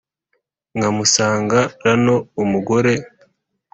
nkamusanga rno umugore